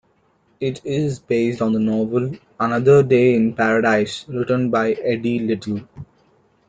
It is based on the novel "Another Day in Paradise" written by Eddie Little.